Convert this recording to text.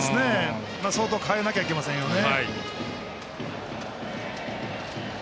相当変えなきゃいけませんよね。